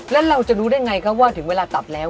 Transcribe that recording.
แล้วเราจะรู้ได้ไงครับว่าถึงเวลาตัดแล้ว